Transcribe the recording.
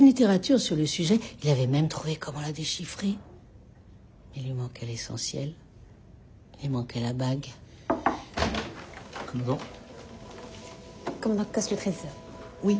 はい。